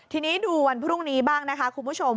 ทีนี้ดูวันพรุ่งนี้บ้างนะคะคุณผู้ชม